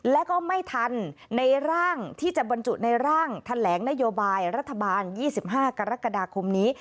และก็ไม่ทันในร่างที่จะบรรจุในร่างแถลงนโยบายรัฐบาล๒๕กรกฎาคมนี้